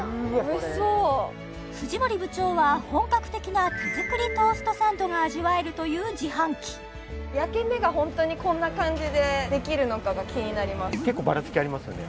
おいしそう藤森部長は本格的な手作りトーストサンドが味わえるという自販機焼け目がホントにこんな感じでできるのかが気になります